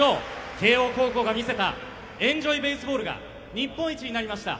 慶応高校が見せた「エンジョイ・ベースボール」が日本一になりました。